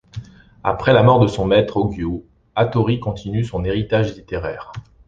Après la mort de son maître Ogyū, Hattori continue son héritage littéraire.